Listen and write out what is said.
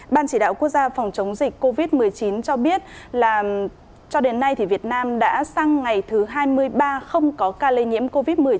ban chỉ đạo quốc gia phòng chống dịch covid một mươi chín cho biết là cho đến nay việt nam đã sang ngày thứ hai mươi ba không có ca lây nhiễm covid một mươi chín